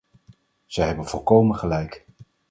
Zij hebben volkomen gelijk.